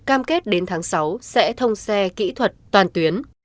cam kết đến tháng sáu sẽ thông xe kỹ thuật toàn tuyến